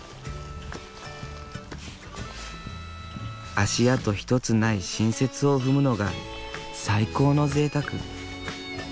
足跡ひとつない新雪を踏むのが最高のぜいたく。